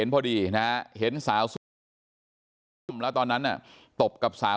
โปรดติดตามต่อไป